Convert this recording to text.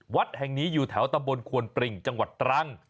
วัดแห่งนี้อยู่แถวตำบลควนปริงจังหวัดตรัง